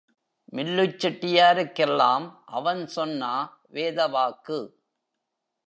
மில்லுச் செட்டியாருக்கெல்லாம் அவன் சொன்னா வேதவாக்கு.